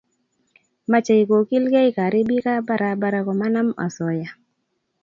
mache kogilgei kariibik ab barabara ko manam asoya